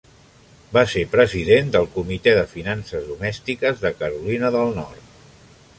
Va ser president del comitè de finances domèstiques de Carolina del Nord.